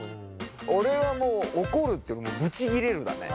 俺はもう怒るっていうよりブチ切れるだね。